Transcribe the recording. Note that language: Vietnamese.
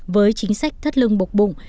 với chính sách thất lưng bộc bụng